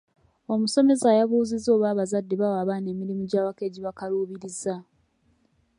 Omusomesa yabuuzizza oba abazadde bawa abaana emirimu gy'awaka egibakaluubiriza.